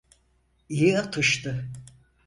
İyi atıştı.